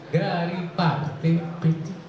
dari partai b tiga